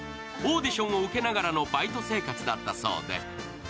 オーディションを受けながらのバイト生活だったそうで。